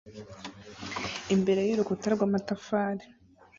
Imbere y'urukuta rw'amatafari